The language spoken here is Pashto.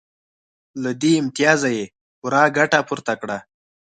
له دې امتیازه یې پوره ګټه پورته کړه